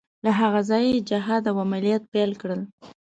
له هغه ځایه یې جهاد او عملیات پیل کړل.